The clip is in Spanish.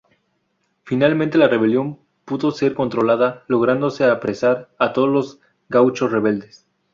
Finalmente, la rebelión pudo ser controlada, lográndose apresar a todos los gauchos rebeldes.